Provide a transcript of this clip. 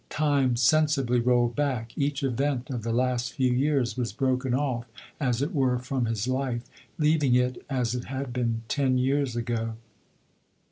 Time sensibly rolled back ; each event of the last few years was broken off, as it were, from his life, Leaving it as it had been ton years ago.